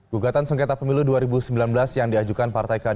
gugatan sengketa pemilu dua ribu sembilan belas yang diajukan partai keadilan